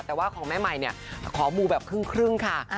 แต่ว่าของแม่ใหม่เนี่ยขอมูแบบครึ่งค่ะ